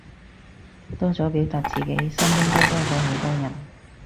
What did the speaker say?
多咗表達自己，身邊都多咗好多人